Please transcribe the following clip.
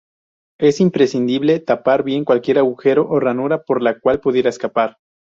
Es imprescindible tapar bien cualquier agujero o ranura por la cual pudiera escapar.